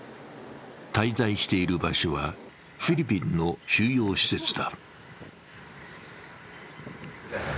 滞在している場所はフィリピンの収容施設だ。